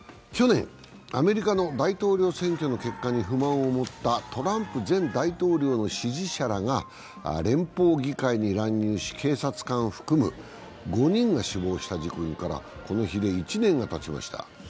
去年、アメリカの大統領選挙の結果に不満を持ったトランプ前大統領の支持者らが連邦議会に乱入し、警察官含む５人が死亡した事故からこの日で１年がたちました。